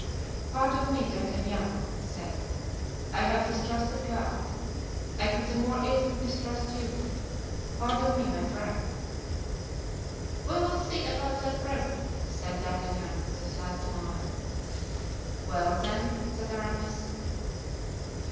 "Pardon me, D'Artagnan," he said. "I have distrusted God; I could the more easily distrust you. Pardon me, my friend." "We will see about that presently," said D'Artagnan, with a slight smile. "Well, then?" said Aramis.